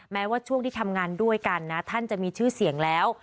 แม้ว่าช่วงที่ทำงานด้วยกันนะท่านจะมีชื่อเสียงแล้ว